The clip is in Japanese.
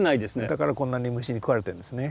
だからこんなに虫に食われてるんですね。